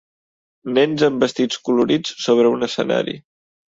nens amb vestits colorits sobre un escenari